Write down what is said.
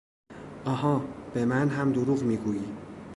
آها! به من هم دروغ میگویی!